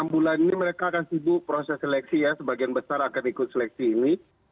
enam bulan ini mereka akan sibuk proses seleksi ya sebagian besar akan ikut seleksi ini